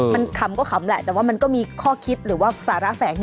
มันขำก็ขำแหละแต่ว่ามันก็มีข้อคิดหรือว่าสาระแฝง